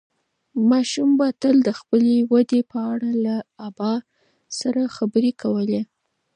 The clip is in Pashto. ماشوم به تل د خپلې ودې په اړه له ابا سره خبرې کولې.